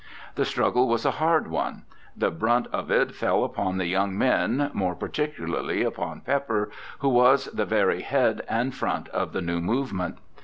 The struggle was a hard one; the brunt of it fell upon the young men, more particularly upon Pepper, who was the very head and front of the new movement.